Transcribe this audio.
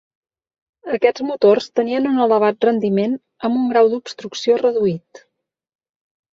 Aquests motors tenien un elevat rendiment amb un grau d'obstrucció reduït.